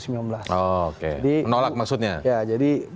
menolak maksudnya ya jadi